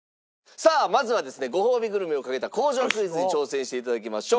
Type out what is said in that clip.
さあまずはですねごほうびグルメをかけた工場クイズに挑戦して頂きましょう。